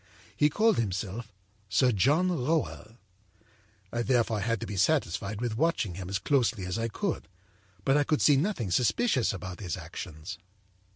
He called himself Sir John Rowell. âI therefore had to be satisfied with watching him as closely as I could, but I could see nothing suspicious about his actions.